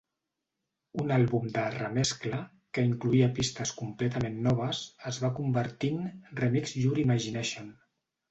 Un àlbum de "remescla", que incloïa pistes completament noves, es va convertir en "Remix Your Imagination".